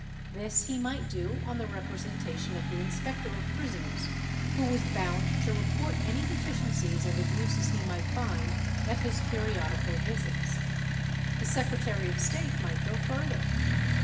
This he might do on the representation of the inspector of prisons, who was bound to report any deficiencies and abuses he might find at his periodical visits. The Secretary of State might go further.